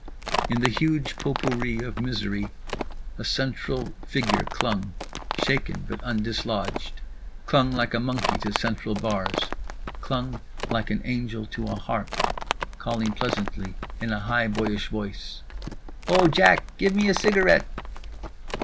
In the huge potpourri of misery a central figure clung, shaken but undislodged. Clung like a monkey to central bars. Clung like an angel to a harp. Calling pleasantly in a high boyish voice: "O Jack, give me a cigarette."